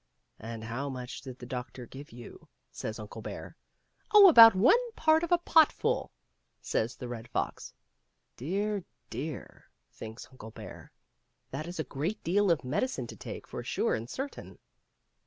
" And how much did the doctor give you ?" says Uncle Bear. "Oh, about one part of a pot full," says the Red Fox. Dear, dear ! thinks Uncle Bear, that is a great deal of medicine to take, for sure and certain.